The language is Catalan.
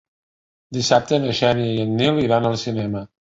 Dissabte na Xènia i en Nil iran al cinema.